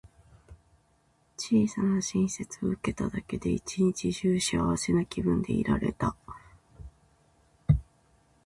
小さな親切を受けただけで、一日中幸せな気分でいられた。